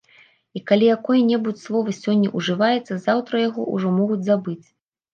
І калі якое-небудзь слова сёння ўжываецца, заўтра яго ўжо могуць забыць.